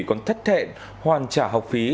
còn thất hẹn hoàn trả học phí